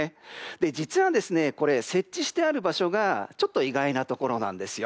実はこれ、設置してある場所がちょっと意外なところなんです。